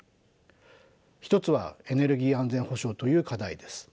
一つはエネルギー安全保障という課題です。